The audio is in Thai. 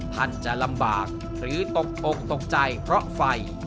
ท่านจะลำบากหรือตกอกตกใจเพราะไฟ